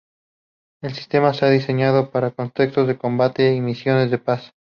El sistema se ha diseñado para contextos de combate y misiones de paz.